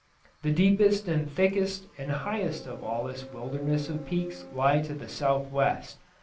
The deepest and thickest and highest of all this wilderness of peaks lie to the southwest.